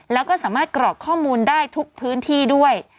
แล้วก็สามารถกรอกข้อมูลได้ทุกพื้นที่ด้วย